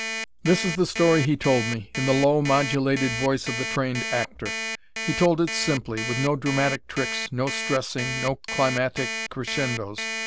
This is the story he told me, in the low, modulated voice of the trained actor. He told it simply, with no dramatic tricks, no stressing, no climatic crescendos.